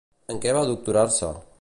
En què va doctorar-se?